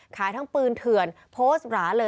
ขายทั้งปืนถ่วนโพสต์หร้าเลย